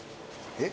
えっ！